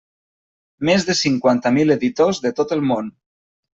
Més de cinquanta mil editors de tot el món.